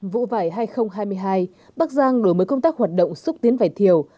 vụ vải hai nghìn hai mươi hai bắc giang đổi mới công tác hoạt động xúc tiến vài thiếu